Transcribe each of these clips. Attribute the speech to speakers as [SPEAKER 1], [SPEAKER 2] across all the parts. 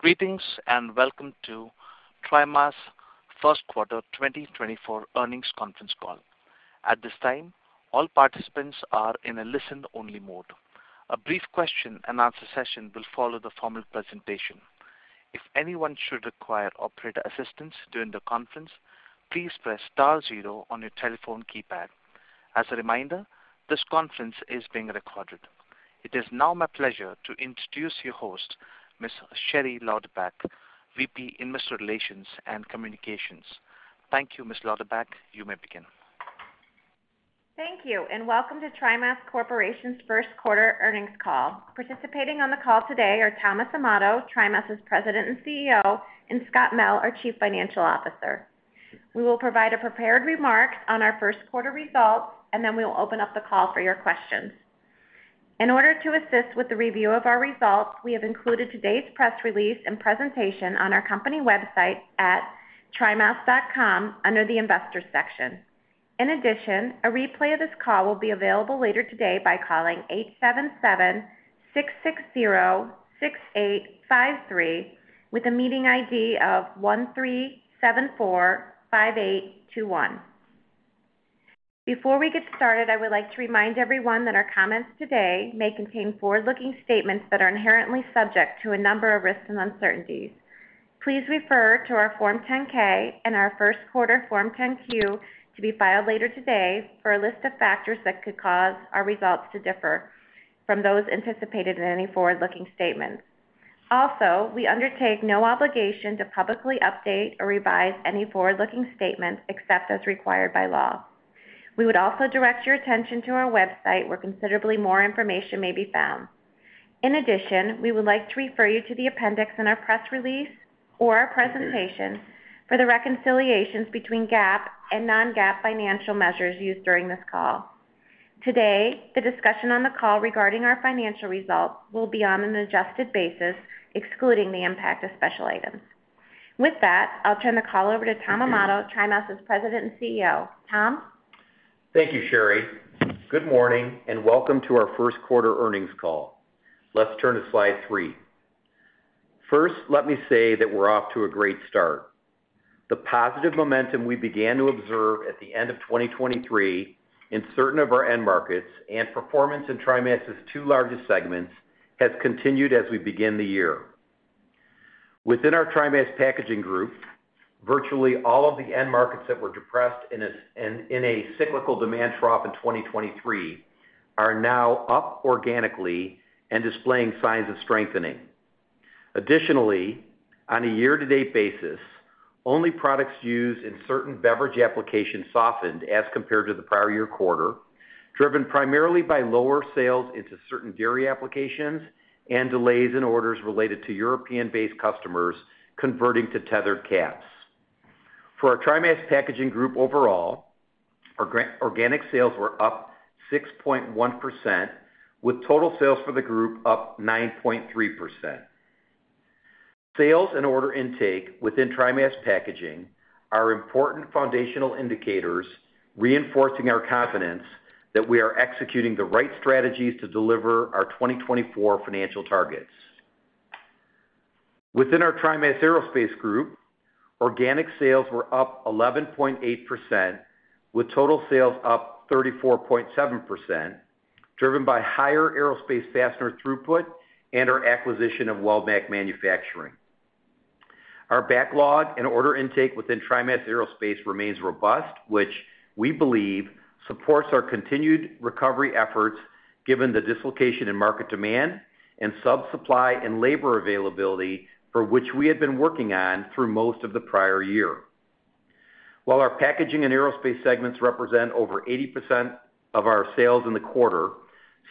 [SPEAKER 1] Greetings, and welcome to TriMas' first quarter 2024 earnings conference call. At this time, all participants are in a listen-only mode. A brief question-and-answer session will follow the formal presentation. If anyone should require operator assistance during the conference, please press star zero on your telephone keypad. As a reminder, this conference is being recorded. It is now my pleasure to introduce your host, Miss Sherry Lauderback, VP, Investor Relations and Communications. Thank you, Miss Lauderback. You may begin.
[SPEAKER 2] Thank you, and welcome to TriMas Corporation's first quarter earnings call. Participating on the call today are Thomas Amato, TriMas' President and CEO, and Scott Mell, our Chief Financial Officer. We will provide a prepared remark on our first quarter results, and then we will open up the call for your questions. In order to assist with the review of our results, we have included today's press release and presentation on our company website at trimas.com under the Investors section. In addition, a replay of this call will be available later today by calling 877-660-6853, with a meeting ID of 13745821. Before we get started, I would like to remind everyone that our comments today may contain forward-looking statements that are inherently subject to a number of risks and uncertainties. Please refer to our Form 10-K and our first quarter Form 10-Q, to be filed later today, for a list of factors that could cause our results to differ from those anticipated in any forward-looking statements. Also, we undertake no obligation to publicly update or revise any forward-looking statements except as required by law. We would also direct your attention to our website, where considerably more information may be found. In addition, we would like to refer you to the appendix in our press release or our presentation for the reconciliations between GAAP and non-GAAP financial measures used during this call. Today, the discussion on the call regarding our financial results will be on an adjusted basis, excluding the impact of special items. With that, I'll turn the call over to Tom Amato, TriMas' President and CEO. Tom?
[SPEAKER 3] Thank you, Sherry. Good morning, and welcome to our first quarter earnings call. Let's turn to slide three. First, let me say that we're off to a great start. The positive momentum we began to observe at the end of 2023 in certain of our end markets and performance in TriMas's two largest segments has continued as we begin the year. Within our TriMas Packaging group, virtually all of the end markets that were depressed in a cyclical demand trough in 2023 are now up organically and displaying signs of strengthening. Additionally, on a year-to-date basis, only products used in certain beverage applications softened as compared to the prior year quarter, driven primarily by lower sales into certain dairy applications and delays in orders related to European-based customers converting to tethered caps. For our TriMas Packaging group overall, our organic sales were up 6.1%, with total sales for the group up 9.3%. Sales and order intake within TriMas Packaging are important foundational indicators, reinforcing our confidence that we are executing the right strategies to deliver our 2024 financial targets. Within our TriMas Aerospace group, organic sales were up 11.8%, with total sales up 34.7%, driven by higher aerospace fastener throughput and our acquisition of Weldmac Manufacturing. Our backlog and order intake within TriMas Aerospace remains robust, which we believe supports our continued recovery efforts, given the dislocation in market demand and sub-supply and labor availability for which we had been working on through most of the prior year. While our packaging and aerospace segments represent over 80% of our sales in the quarter,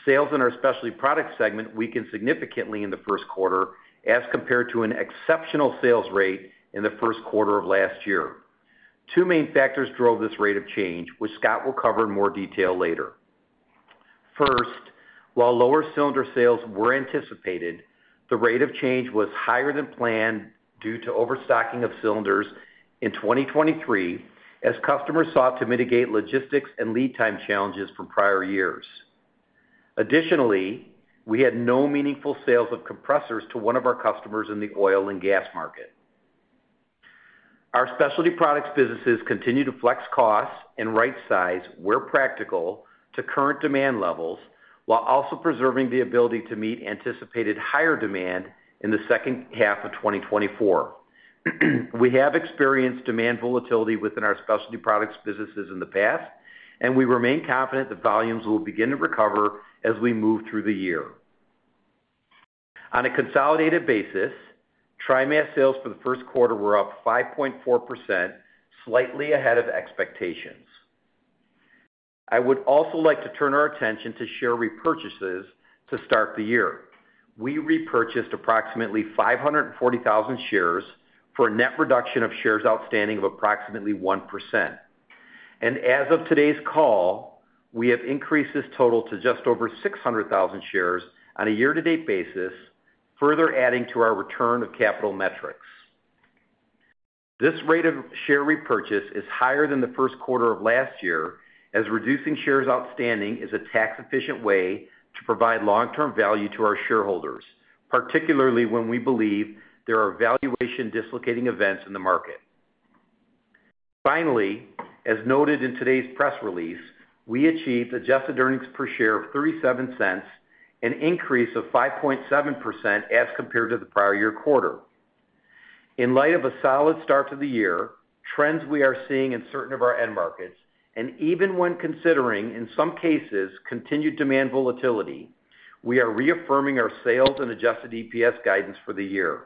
[SPEAKER 3] sales in our Specialty Product segment weakened significantly in the first quarter as compared to an exceptional sales rate in the first quarter of last year. Two main factors drove this rate of change, which Scott will cover in more detail later. First, while lower cylinder sales were anticipated, the rate of change was higher than planned due to overstocking of cylinders in 2023, as customers sought to mitigate logistics and lead time challenges from prior years. Additionally, we had no meaningful sales of compressors to one of our customers in the oil and gas market. Our Specialty Products businesses continue to flex costs and rightsize, where practical, to current demand levels, while also preserving the ability to meet anticipated higher demand in the second half of 2024. We have experienced demand volatility within our Specialty Products businesses in the past, and we remain confident that volumes will begin to recover as we move through the year. On a consolidated basis, TriMas sales for the first quarter were up 5.4%, slightly ahead of expectations. I would also like to turn our attention to share repurchases to start the year. We repurchased approximately 540,000 shares for a net reduction of shares outstanding of approximately 1%. As of today's call, we have increased this total to just over 600,000 shares on a year-to-date basis, further adding to our return of capital metrics.... This rate of share repurchase is higher than the first quarter of last year, as reducing shares outstanding is a tax-efficient way to provide long-term value to our shareholders, particularly when we believe there are valuation dislocating events in the market. Finally, as noted in today's press release, we achieved Adjusted earnings per share of $0.37, an increase of 5.7% as compared to the prior year quarter. In light of a solid start to the year, trends we are seeing in certain of our end markets, and even when considering, in some cases, continued demand volatility, we are reaffirming our sales and Adjusted EPS guidance for the year.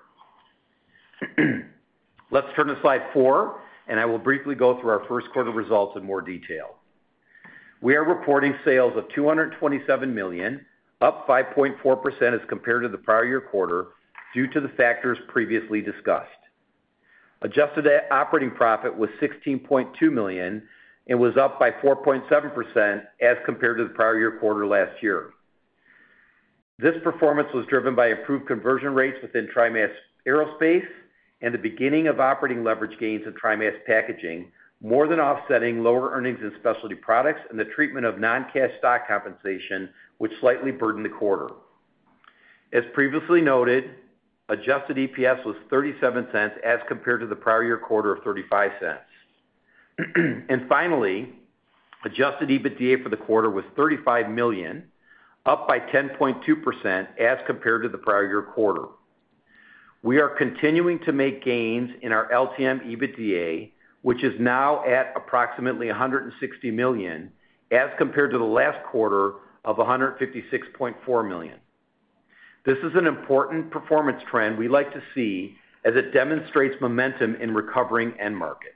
[SPEAKER 3] Let's turn to slide four and I will briefly go through our first quarter results in more detail. We are reporting sales of $227 million, up 5.4% as compared to the prior year quarter, due to the factors previously discussed. Adjusted operating profit was $16.2 million and was up by 4.7% as compared to the prior year quarter last year. This performance was driven by improved conversion rates within TriMas Aerospace and the beginning of operating leverage gains in TriMas Packaging, more than offsetting lower earnings in specialty products and the treatment of non-cash stock compensation, which slightly burdened the quarter. As previously noted, adjusted EPS was $0.37, as compared to the prior year quarter of $0.35. And finally, adjusted EBITDA for the quarter was $35 million, up by 10.2% as compared to the prior year quarter. We are continuing to make gains in our LTM EBITDA, which is now at approximately $160 million, as compared to the last quarter of $156.4 million. This is an important performance trend we like to see as it demonstrates momentum in recovering end markets.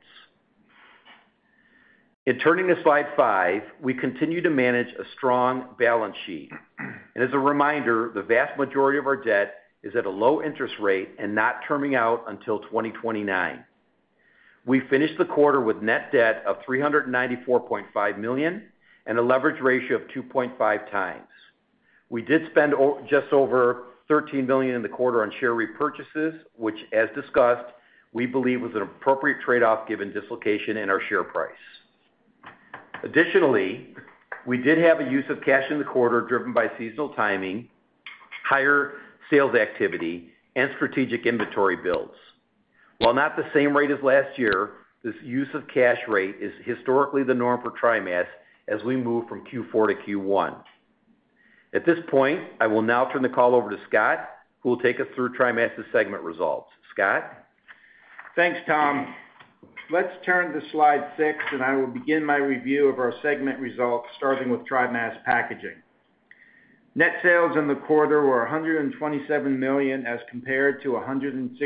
[SPEAKER 3] In turning to slide five, we continue to manage a strong balance sheet. And as a reminder, the vast majority of our debt is at a low-interest rate and not terming out until 2029. We finished the quarter with net debt of $394.5 million and a leverage ratio of 2.5 times. We did spend just over $13 million in the quarter on share repurchases, which, as discussed, we believe was an appropriate trade-off given dislocation in our share price. Additionally, we did have a use of cash in the quarter, driven by seasonal timing, higher sales activity, and strategic inventory builds. While not the same rate as last year, this use of cash rate is historically the norm for TriMas as we move from Q4 to Q1. At this point, I will now turn the call over to Scott, who will take us through TriMas segment results. Scott?
[SPEAKER 4] Thanks, Tom. Let's turn to slide six, and I will begin my review of our segment results, starting with TriMas Packaging. Net sales in the quarter were $127 million, as compared to $116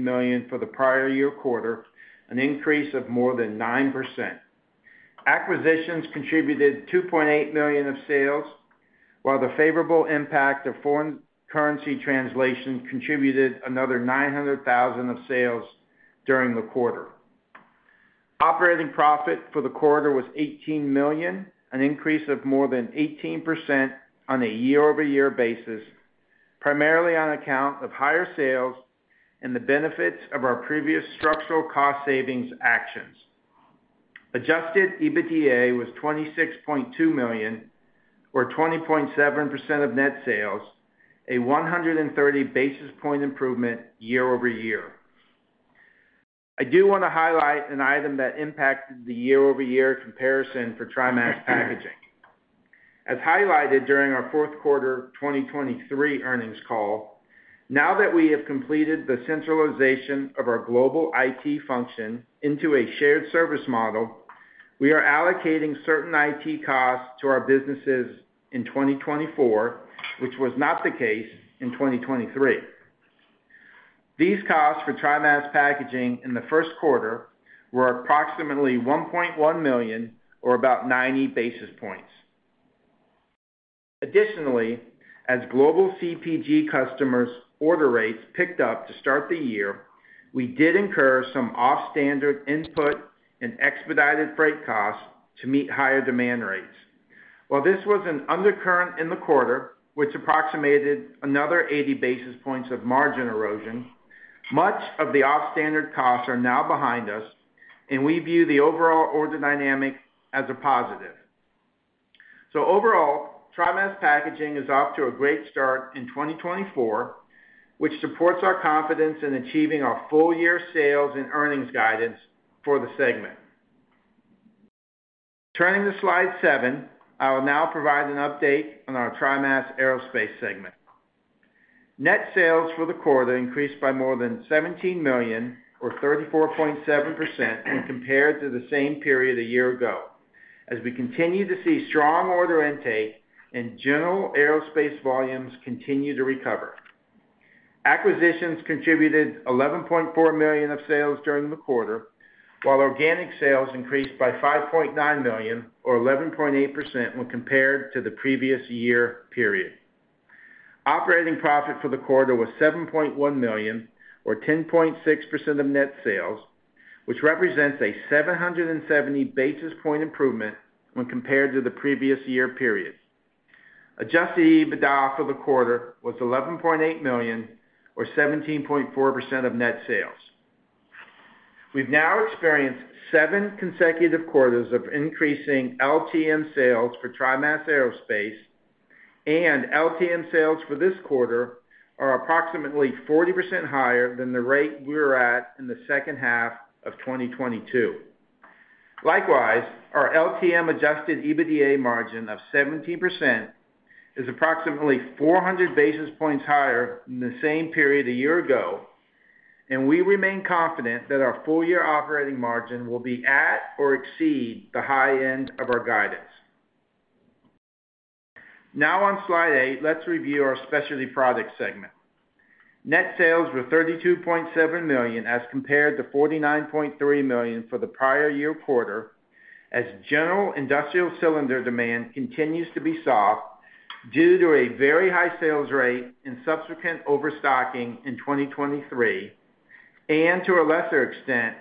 [SPEAKER 4] million for the prior year quarter, an increase of more than 9%. Acquisitions contributed $2.8 million of sales, while the favorable impact of foreign currency translation contributed another $900,000 of sales during the quarter. Operating profit for the quarter was $18 million, an increase of more than 18% on a year-over-year basis, primarily on account of higher sales and the benefits of our previous structural cost savings actions. Adjusted EBITDA was $26.2 million, or 20.7% of net sales, a 130 basis point improvement year-over-year. I do want to highlight an item that impacted the year-over-year comparison for TriMas Packaging. As highlighted during our fourth quarter 2023 earnings call, now that we have completed the centralization of our global IT function into a shared service model, we are allocating certain IT costs to our businesses in 2024, which was not the case in 2023. These costs for TriMas Packaging in the first quarter were approximately $1.1 million, or about 90 basis points. Additionally, as global CPG customers' order rates picked up to start the year, we did incur some off-standard input and expedited freight costs to meet higher demand rates. While this was an undercurrent in the quarter, which approximated another 80 basis points of margin erosion, much of the off-standard costs are now behind us, and we view the overall order dynamic as a positive. So overall, TriMas Packaging is off to a great start in 2024, which supports our confidence in achieving our full-year sales and earnings guidance for the segment. Turning to slide seven, I will now provide an update on our TriMas Aerospace segment. Net sales for the quarter increased by more than $17 million, or 34.7% when compared to the same period a year ago, as we continue to see strong order intake and general aerospace volumes continue to recover. Acquisitions contributed $11.4 million of sales during the quarter, while organic sales increased by $5.9 million, or 11.8% when compared to the previous year period. Operating profit for the quarter was $7.1 million, or 10.6% of net sales, which represents a 770 basis point improvement when compared to the previous year period.... Adjusted EBITDA for the quarter was $11.8 million, or 17.4% of net sales. We've now experienced seven consecutive quarters of increasing LTM sales for TriMas Aerospace, and LTM sales for this quarter are approximately 40% higher than the rate we were at in the second half of 2022. Likewise, our LTM adjusted EBITDA margin of 17% is approximately 400 basis points higher than the same period a year ago, and we remain confident that our full-year operating margin will be at or exceed the high end of our guidance. Now on Slide eight, let's review our Specialty Products segment. Net sales were $32.7 million, as compared to $49.3 million for the prior year quarter, as general industrial cylinder demand continues to be soft due to a very high sales rate and subsequent overstocking in 2023, and to a lesser extent,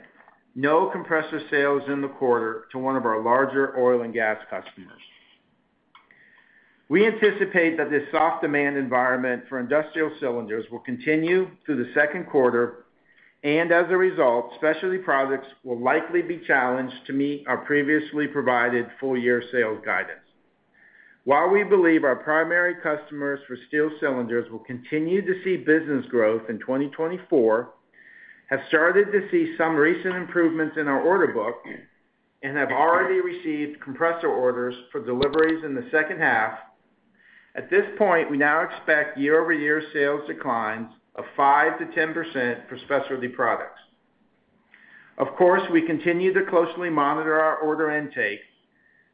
[SPEAKER 4] no compressor sales in the quarter to one of our larger oil and gas customers. We anticipate that this soft demand environment for industrial cylinders will continue through the second quarter, and as a result, specialty products will likely be challenged to meet our previously provided full-year sales guidance. While we believe our primary customers for steel cylinders will continue to see business growth in 2024, have started to see some recent improvements in our order book, and have already received compressor orders for deliveries in the second half, at this point, we now expect year-over-year sales declines of 5%-10% for specialty products. Of course, we continue to closely monitor our order intake,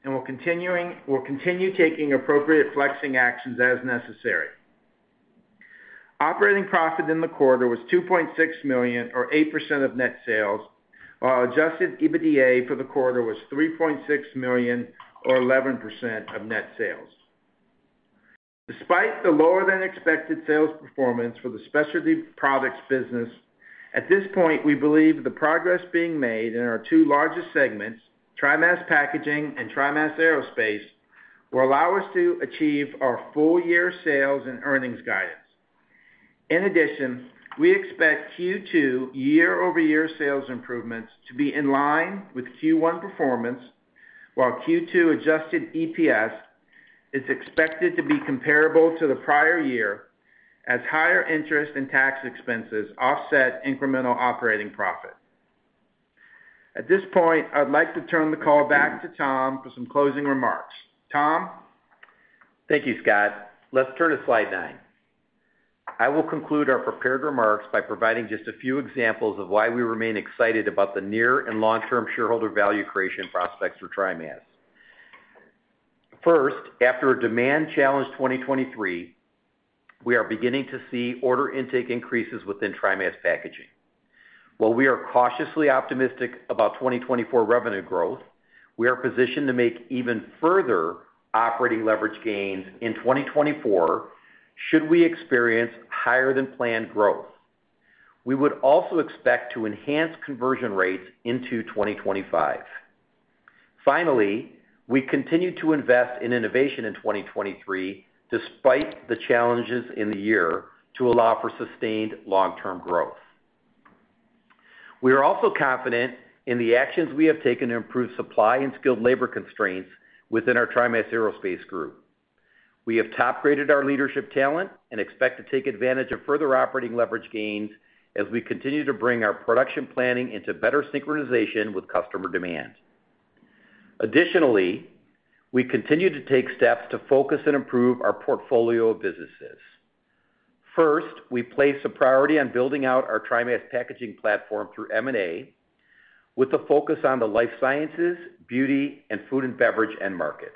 [SPEAKER 4] and we'll continue taking appropriate flexing actions as necessary. Operating profit in the quarter was $2.6 million, or 8% of net sales, while Adjusted EBITDA for the quarter was $3.6 million or 11% of net sales. Despite the lower-than-expected sales performance for the Specialty Products business, at this point, we believe the progress being made in our two largest segments, TriMas Packaging and TriMas Aerospace, will allow us to achieve our full-year sales and earnings guidance. In addition, we expect Q2 year-over-year sales improvements to be in line with Q1 performance, while Q2 adjusted EPS is expected to be comparable to the prior year, as higher interest and tax expenses offset incremental operating profit. At this point, I'd like to turn the call back to Tom for some closing remarks. Tom?
[SPEAKER 3] Thank you, Scott. Let's turn to Slide nine. I will conclude our prepared remarks by providing just a few examples of why we remain excited about the near and long-term shareholder value creation prospects for TriMas. First, after a demand challenge 2023, we are beginning to see order intake increases within TriMas Packaging. While we are cautiously optimistic about 2024 revenue growth, we are positioned to make even further operating leverage gains in 2024, should we experience higher-than-planned growth. We would also expect to enhance conversion rates into 2025. Finally, we continued to invest in innovation in 2023, despite the challenges in the year, to allow for sustained long-term growth. We are also confident in the actions we have taken to improve supply and skilled labor constraints within our TriMas Aerospace group. We have top-graded our leadership talent and expect to take advantage of further operating leverage gains as we continue to bring our production planning into better synchronization with customer demand. Additionally, we continue to take steps to focus and improve our portfolio of businesses. First, we place a priority on building out our TriMas Packaging platform through M&A, with a focus on the life sciences, beauty, and food and beverage end markets.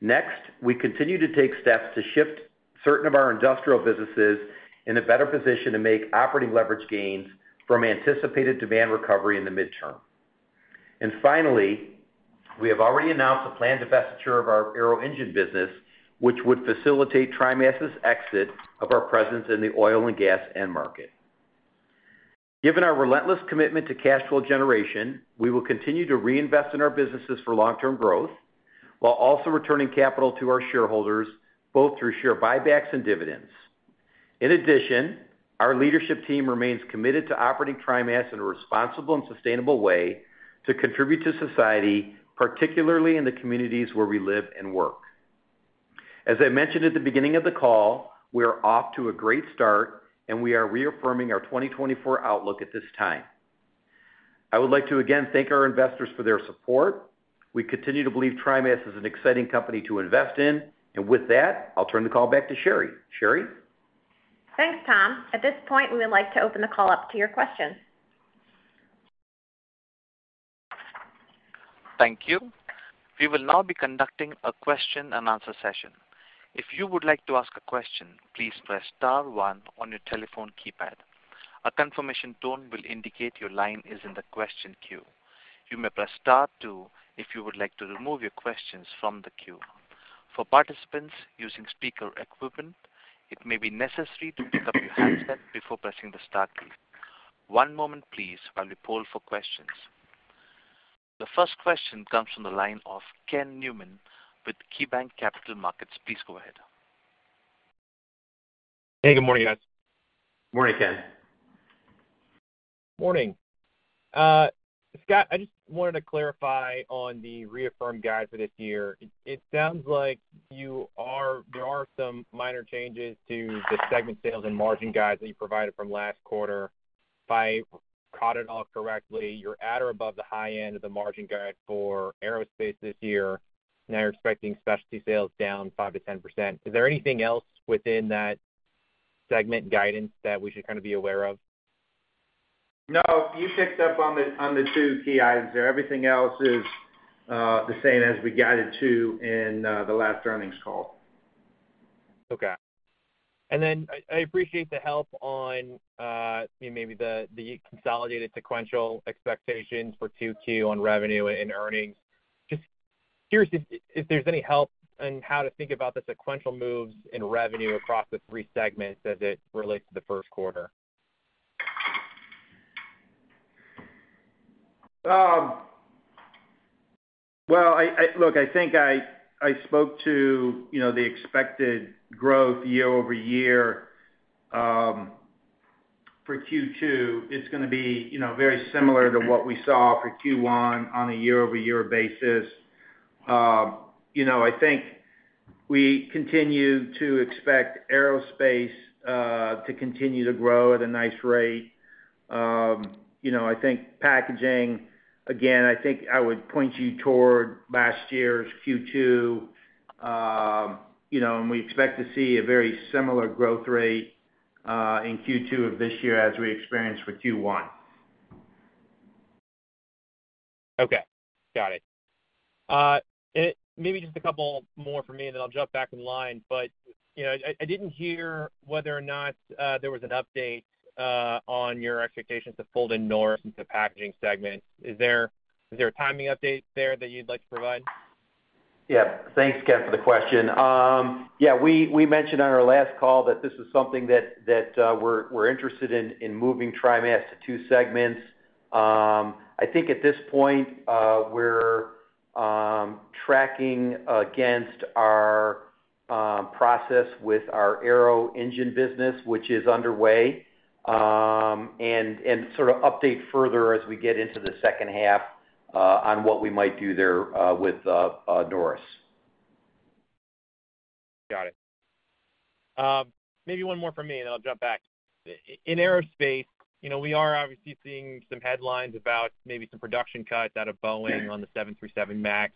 [SPEAKER 3] Next, we continue to take steps to shift certain of our industrial businesses in a better position to make operating leverage gains from anticipated demand recovery in the midterm. Finally, we have already announced a planned divestiture of our Aero Engine business, which would facilitate TriMas' exit of our presence in the oil and gas end market. Given our relentless commitment to cash flow generation, we will continue to reinvest in our businesses for long-term growth, while also returning capital to our shareholders, both through share buybacks and dividends. In addition, our leadership team remains committed to operating TriMas in a responsible and sustainable way to contribute to society, particularly in the communities where we live and work. As I mentioned at the beginning of the call, we are off to a great start, and we are reaffirming our 2024 outlook at this time. I would like to again thank our investors for their support. We continue to believe TriMas is an exciting company to invest in. With that, I'll turn the call back to Sherry. Sherry?
[SPEAKER 2] Thanks, Tom. At this point, we would like to open the call up to your questions.
[SPEAKER 1] Thank you. We will now be conducting a question-and-answer session. If you would like to ask a question, "please press star one" on your telephone keypad. A confirmation tone will indicate your line is in the question queue. You may "press star two" if you would like to remove your questions from the queue. For participants using speaker equipment, it may be necessary to pick up your handset before pressing the star key. One moment please while we poll for questions. The first question comes from the line of Ken Newman with KeyBanc Capital Markets. Please go ahead.
[SPEAKER 5] Hey, good morning, guys.
[SPEAKER 3] Morning, Ken.
[SPEAKER 5] Morning. Scott, I just wanted to clarify on the reaffirmed guides for this year. It sounds like there are some minor changes to the segment sales and margin guides that you provided from last quarter. If I caught it all correctly, you're at or above the high end of the margin guide for aerospace this year, and now you're expecting specialty sales down 5%-10%. Is there anything else within that segment guidance that we should kind of be aware of?
[SPEAKER 4] No, you picked up on the, on the two key items there. Everything else is the same as we guided to in the last earnings call.
[SPEAKER 5] Okay. And then I appreciate the help on maybe the consolidated sequential expectations for 2Q on revenue and earnings. Just curious if there's any help on how to think about the sequential moves in revenue across the three segments as it relates to the first quarter.
[SPEAKER 4] Well, look, I think I spoke to, you know, the expected growth year over year for Q2. It's gonna be, you know, very similar to what we saw for Q1 on a year-over-year basis. You know, I think we continue to expect aerospace to continue to grow at a nice rate. You know, I think packaging, again, I think I would point you toward last year's Q2. You know, and we expect to see a very similar growth rate in Q2 of this year as we experienced with Q1.
[SPEAKER 5] Okay, got it. And maybe just a couple more from me, and then I'll jump back in line. But, you know, I, I didn't hear whether or not there was an update on your expectations to fold in Norris into the packaging segment. Is there, is there a timing update there that you'd like to provide?
[SPEAKER 3] Yeah. Thanks, Ken, for the question. Yeah, we mentioned on our last call that this is something that we're interested in moving TriMas to two segments. I think at this point, we're tracking against our process with our aero engine business, which is underway, and sort of update further as we get into the second half, on what we might do there, with Norris.
[SPEAKER 5] Got it. Maybe one more from me, and I'll jump back. In aerospace, you know, we are obviously seeing some headlines about maybe some production cuts out of Boeing on the 737 MAX.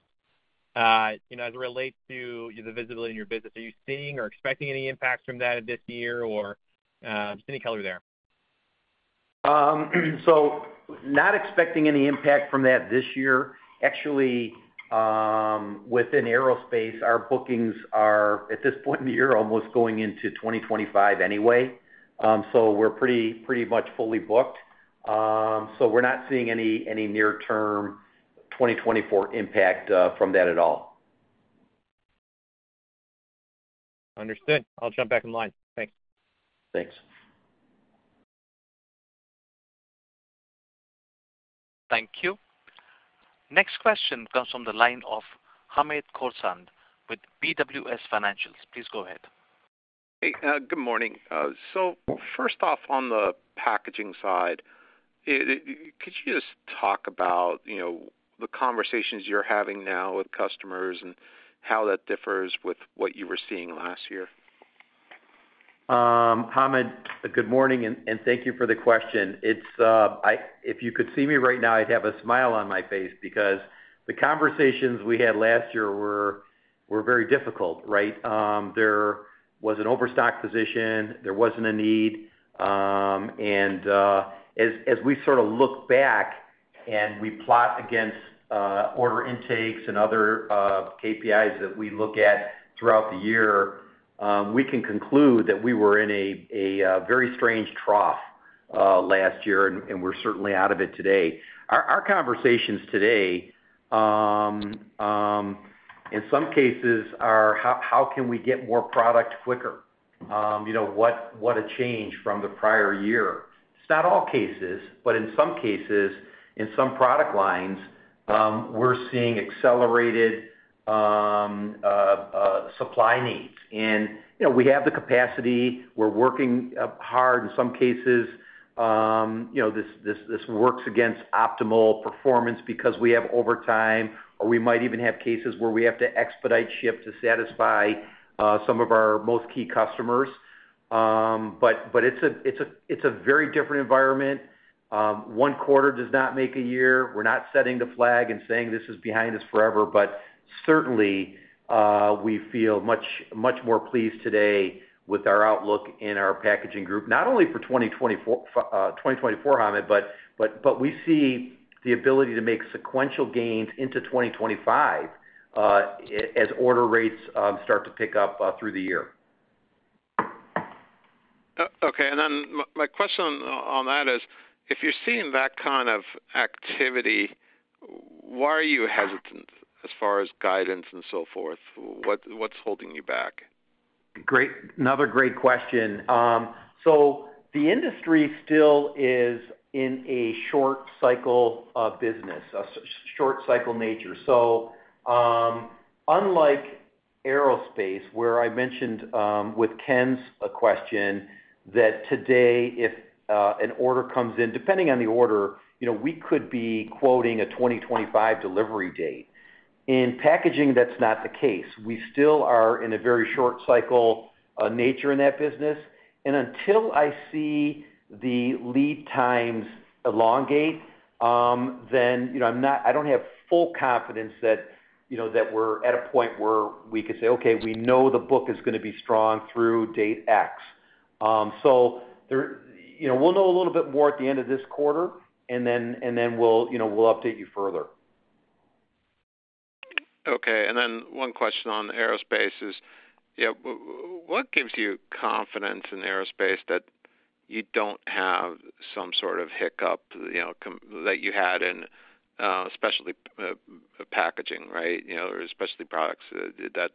[SPEAKER 5] You know, as it relates to the visibility in your business, are you seeing or expecting any impacts from that this year, or just any color there?
[SPEAKER 3] So not expecting any impact from that this year. Actually, within aerospace, our bookings are, at this point in the year, almost going into 2025 anyway. So we're pretty, pretty much fully booked. So we're not seeing any, any near-term 2024 impact, from that at all.
[SPEAKER 5] Understood. I'll jump back in line. Thanks.
[SPEAKER 3] Thanks.
[SPEAKER 1] Thank you. Next question comes from the line of Hamid Khorsand with BWS Financial. Please go ahead.
[SPEAKER 6] Hey, good morning. So first off, on the packaging side, could you just talk about, you know, the conversations you're having now with customers and how that differs with what you were seeing last year?
[SPEAKER 3] Hamid, good morning, and thank you for the question. It's. If you could see me right now, I'd have a smile on my face because the conversations we had last year were very difficult, right? There was an overstock position. There wasn't a need. And as we sort of look back and we plot against order intakes and other KPIs that we look at throughout the year, we can conclude that we were in a very strange trough last year, and we're certainly out of it today. Our conversations today, in some cases, are: How can we get more product quicker? You know, what a change from the prior year. It's not all cases, but in some cases, in some product lines, we're seeing accelerated supply needs. And, you know, we have the capacity. We're working hard in some cases. You know, this works against optimal performance because we have overtime, or we might even have cases where we have to expedite ship to satisfy some of our most key customers. But it's a very different environment. One quarter does not make a year. We're not setting the flag and saying this is behind us forever, but certainly, we feel much, much more pleased today with our outlook in our packaging group, not only for 2024, 2024, Hamid, but, but, but we see the ability to make sequential gains into 2025, as order rates start to pick up through the year.
[SPEAKER 6] Okay, and then my question on that is, if you're seeing that kind of activity, why are you hesitant as far as guidance and so forth? What, what's holding you back?...
[SPEAKER 3] Great, another great question. So the industry still is in a short cycle of business, short cycle nature. So, unlike aerospace, where I mentioned, with Ken's question, that today, if an order comes in, depending on the order, you know, we could be quoting a 2025 delivery date. In packaging, that's not the case. We still are in a very short cycle, nature in that business. And until I see the lead times elongate, then, you know, I'm not -- I don't have full confidence that, you know, that we're at a point where we could say, "Okay, we know the book is gonna be strong through date X." So there, you know, we'll know a little bit more at the end of this quarter, and then, and then we'll, you know, we'll update you further.
[SPEAKER 6] Okay. And then one question on aerospace is: Yeah, what gives you confidence in aerospace that you don't have some sort of hiccup, you know, that you had in specialty packaging, right? You know, or specialty products, that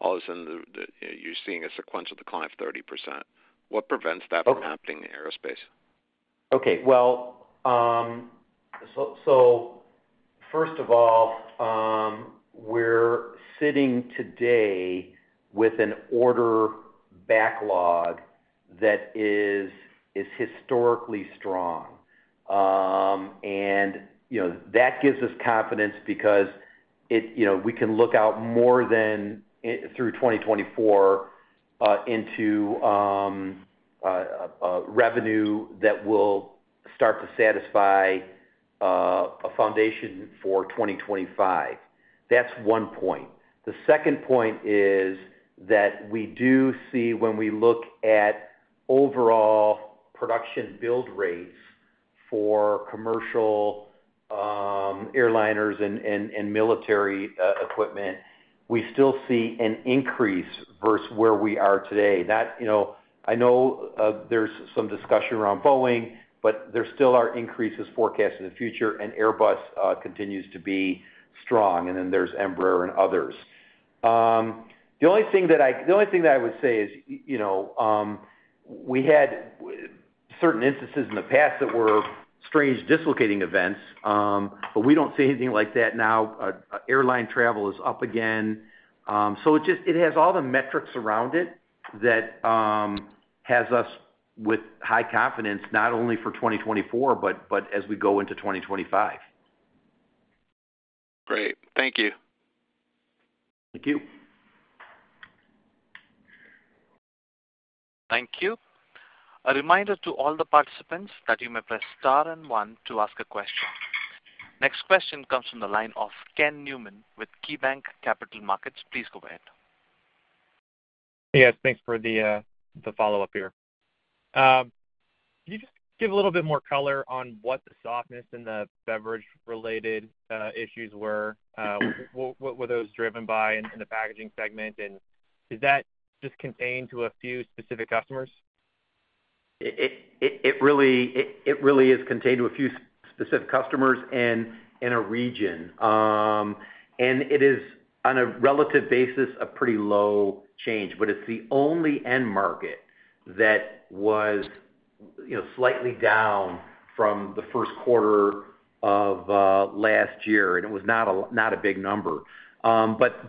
[SPEAKER 6] all of a sudden you're seeing a sequential decline of 30%. What prevents that from happening in aerospace?
[SPEAKER 3] Okay, well, so first of all, we're sitting today with an order backlog that is historically strong. And, you know, that gives us confidence because it... You know, we can look out more than through 2024 into revenue that will start to satisfy a foundation for 2025. That's one point. The second point is that we do see when we look at overall production build rates for commercial airliners and military equipment, we still see an increase versus where we are today. That, you know, I know, there's some discussion around Boeing, but there still are increases forecast in the future, and Airbus continues to be strong, and then there's Embraer and others. The only thing that I, the only thing that I would say is, you know, we had certain instances in the past that were strange dislocating events, but we don't see anything like that now. Airline travel is up again. So it just, it has all the metrics around it that has us with high confidence, not only for 2024, but, but as we go into 2025.
[SPEAKER 6] Great. Thank you.
[SPEAKER 3] Thank you.
[SPEAKER 1] Thank you. A reminder to all the participants that you may press star and one to ask a question. Next question comes from the line of Ken Newman with KeyBanc Capital Markets. Please go ahead.
[SPEAKER 5] Yes, thanks for the follow-up here. Can you just give a little bit more color on what the softness in the beverage-related issues were? What were those driven by in the packaging segment, and is that just contained to a few specific customers?
[SPEAKER 3] It really is contained to a few specific customers and in a region. And it is, on a relative basis, a pretty low change, but it's the only end market that was, you know, slightly down from the first quarter of last year, and it was not a big number. But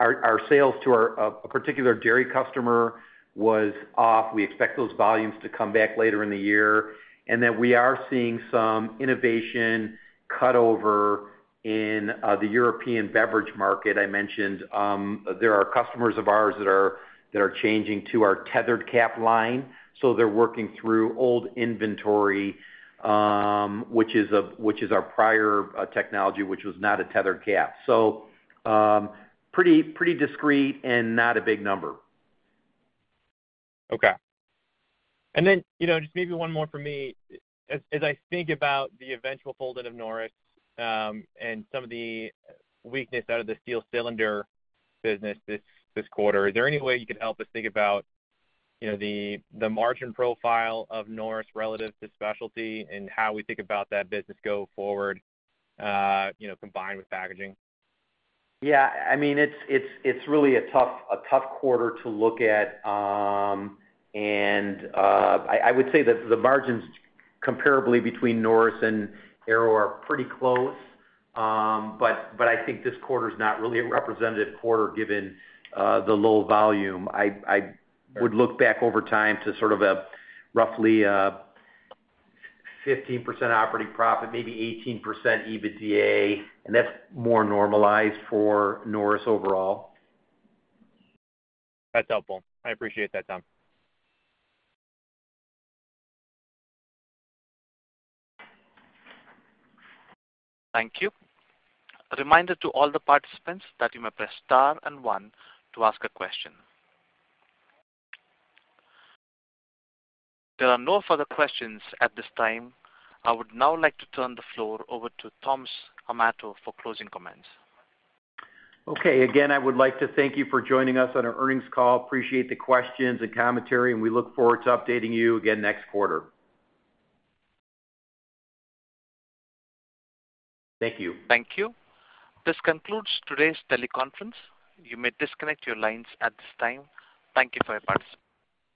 [SPEAKER 3] our sales to a particular dairy customer was off. We expect those volumes to come back later in the year, and that we are seeing some innovation cut over in the European beverage market. I mentioned there are customers of ours that are changing to our tethered cap line, so they're working through old inventory, which is our prior technology, which was not a tethered cap. Pretty, pretty discreet and not a big number.
[SPEAKER 5] Okay. And then, you know, just maybe one more for me. As I think about the eventual fold-in of Norris, and some of the weakness out of the steel cylinder business this quarter, is there any way you could help us think about, you know, the margin profile of Norris relative to specialty and how we think about that business go forward, you know, combined with packaging?
[SPEAKER 3] Yeah, I mean, it's really a tough quarter to look at. I would say that the margins comparably between Norris and Arrow are pretty close. But I think this quarter's not really a representative quarter, given the low volume. I would look back over time to sort of a roughly 15% operating profit, maybe 18% EBITDA, and that's more normalized for Norris overall.
[SPEAKER 5] That's helpful. I appreciate that, Tom.
[SPEAKER 1] Thank you. A reminder to all the participants that you may press star and one to ask a question. There are no further questions at this time. I would now like to turn the floor over to Tom Amato for closing comments.
[SPEAKER 3] Okay. Again, I would like to thank you for joining us on our earnings call. Appreciate the questions and commentary, and we look forward to updating you again next quarter. Thank you.
[SPEAKER 1] Thank you. This concludes today's teleconference. You may disconnect your lines at this time. Thank you for your participation.